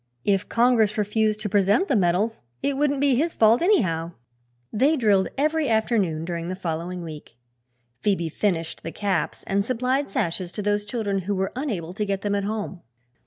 If "Congress" refused to present the medals it wouldn't be his fault, anyhow. They drilled every afternoon during the following week. Phoebe finished the caps and supplied sashes to those children who were unable to get them at home.